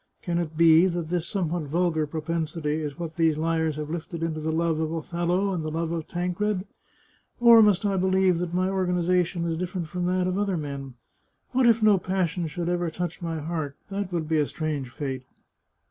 Can it be that this somewhat vulgar propensity is what these liars have lifted into the love of Othello and the love of Tancred? Or must I be lieve that my organization is different from that of other men. What if no passion should ever touch my heart ? That would be a strange fate